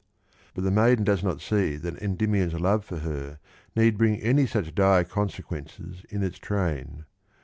But the maiden does not see that Endymion's love for her need bring any such dire consequences in its train.